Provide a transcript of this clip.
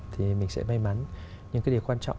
thì mình sẽ may mắn những cái điều quan trọng